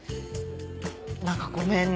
何かごめんね。